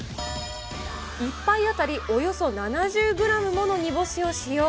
１杯当たりおよそ７０グラムもの煮干しを使用。